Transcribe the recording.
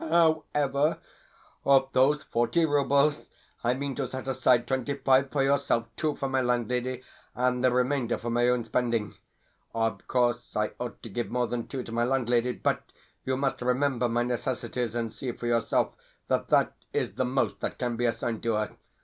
However, of those forty roubles I mean to set aside twenty five for yourself, two for my landlady, and the remainder for my own spending. Of course, I ought to give more than two to my landlady, but you must remember my necessities, and see for yourself that that is the most that can be assigned to her.